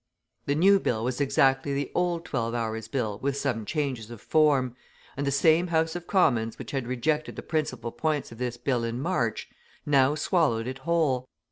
The new bill was exactly the old Twelve Hours' Bill with some changes of form, and the same House of Commons which had rejected the principal points of this bill in March, now swallowed it whole.